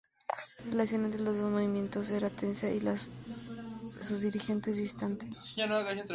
La relación entre los dos movimientos era tensa y la de sus dirigentes, distante.